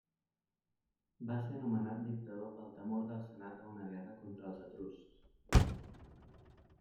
Va ser nomenat dictador pel temor del senat a una guerra contra els etruscs.